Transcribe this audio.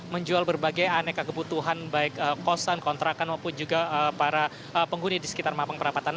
menjual berbagai aneka kebutuhan baik kosan kontrakan maupun juga para penghuni di sekitar mampang perapatan